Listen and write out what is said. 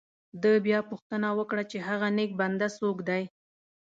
ده بیا پوښتنه وکړه چې هغه نیک بنده څوک دی.